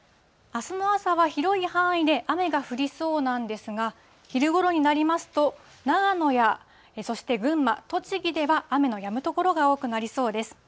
あすの朝は広い範囲で雨が降りそうなんですが、昼ごろになりますと、長野や、そして群馬、栃木では雨のやむ所が多くなりそうです。